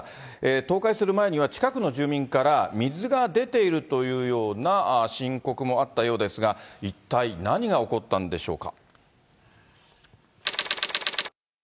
倒壊する前には近くの住民から水が出ているというような申告もあったようですが、一体何が起こったんでしょうか。